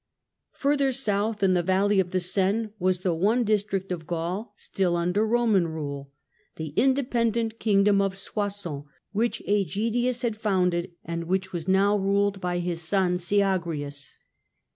Farther South, in the valley of the Seine, was the one district of Gaul still under Roman rule — the independent kingdom of Soissons, which iEgidius had founded, and which was now ruled by his son Syagrius.